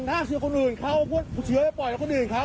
ถ้าเชื้อคนอื่นเขาเชื้อจะปล่อยกับคนอื่นเขา